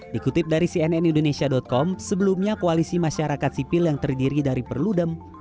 dikutip dari cnn indonesia com sebelumnya koalisi masyarakat sipil yang terdiri dari perludem